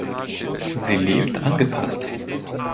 Sie lebt angepasst.